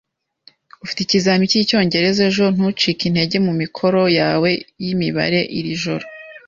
Ufite ikizamini cyicyongereza ejo, ntucike intege mumikoro yawe yimibare iri joro.